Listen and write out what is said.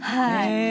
へえ。